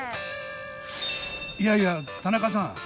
いやいや田中さん